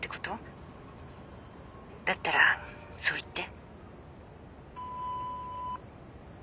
だったらそう言って。